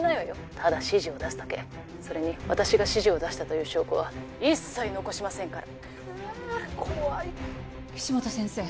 ただ指示を出すだけそれに私が指示を出したという証拠は一切残しませんからかあ怖い岸本先生